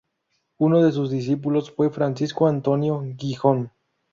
Uno de sus discípulos fue Francisco Antonio Gijón.